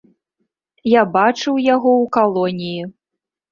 Я бачыў яго ў калоніі.